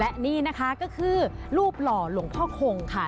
และนี่นะคะก็คือรูปหล่อหลวงพ่อคงค่ะ